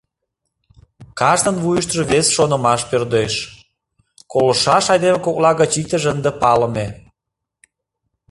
Кажнын вуйышто вес шонымаш пӧрдеш: колышаш айдеме кокла гыч иктыже ынде палыме.